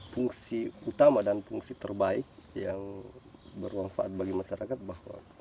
fungsi utama dan fungsi terbaik yang bermanfaat bagi masyarakat bahwa